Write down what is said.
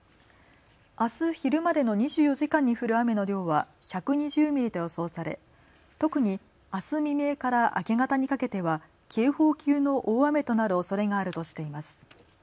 あす昼までの２４時間に降る雨の量は１２０ミリと予想され特にあす未明から明け方にかけては警報級の大雨となるおそれがあるとしています。